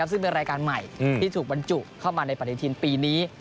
ซึ่งเป็นรายการใหม่ที่ถูกบรรจุเข้ามาในปฏิทินปีนี้